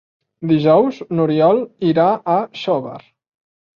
Dijous n'Oriol irà a Xóvar.